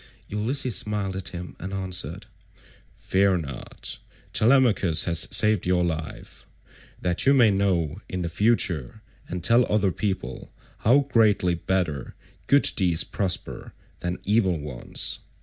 Ulysses smiled at him and answered, "Fear not; Telemachus has saved your life, that you may know in future, and tell other people, how greatly better good deeds prosper than evil ones.